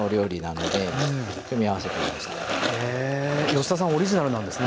吉田さんオリジナルなんですね。